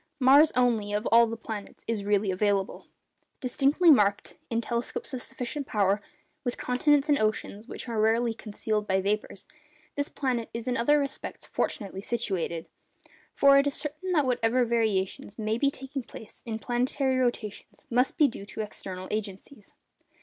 Mars only, of all the planets, is really available. Distinctly marked (in telescopes of sufficient power) with continents and oceans, which are rarely concealed by vapours, this planet is in other respects fortunately situated. For it is certain that whatever variations may be taking place in planetary rotations must be due to external agencies.